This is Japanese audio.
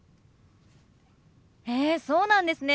へえそうなんですね。